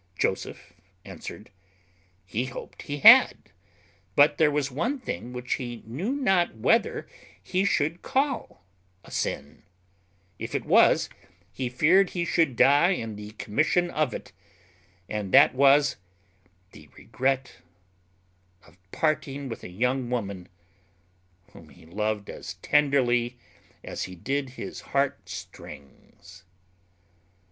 Joseph answered, "He hoped he had; but there was one thing which he knew not whether he should call a sin; if it was, he feared he should die in the commission of it; and that was, the regret of parting with a young woman whom he loved as tenderly as he did his heart strings."